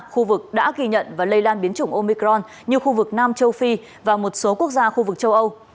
khu vực đã ghi nhận và lây lan biến chủng omicron như khu vực nam châu phi và một số quốc gia khu vực châu âu